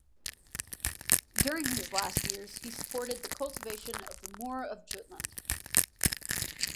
During his last years he supported the cultivation of the moor of Jutland.